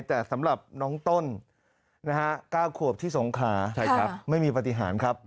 แต่สำหรับน้องต้น๙ขวบที่สงขาไม่มีปฏิหารครับ